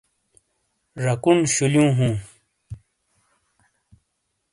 جاکون شولیو ہوں